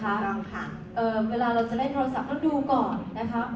เวลาเราจะเล่นโทรศัพท์ก็ดูก่อนนะคะ